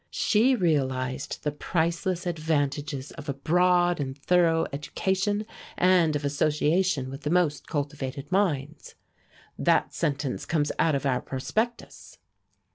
She realized the priceless advantages of a broad and thorough education and of association with the most cultivated minds. That sentence comes out of our prospectus.